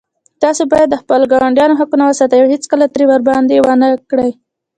تاسو باید د خپلو ګاونډیانو حقونه وساتئ او هېڅکله تېری ورباندې ونه کړئ